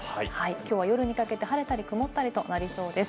きょうは夜にかけて晴れたり曇ったりとなりそうです。